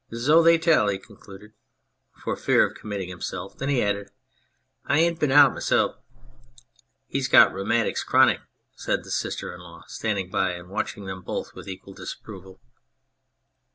... Zo they tell," he concluded, for fear of committing himself. Then he added :" I ain't bin out mesel'." " He's got rheumatics chronic," said the sister in law, standing by and watching them both with equal disapproval.